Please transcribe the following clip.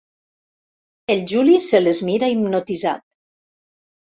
El Juli se les mira hipnotitzat.